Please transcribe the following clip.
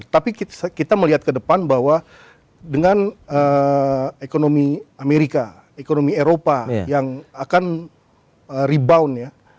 tapi kita melihat ke depan bahwa dengan ekonomi amerika ekonomi eropa yang akan rebound ya